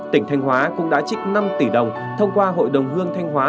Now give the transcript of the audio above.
tỉnh thanh hóa cũng đã trích năm tỷ đồng thông qua hội đồng hương thanh hóa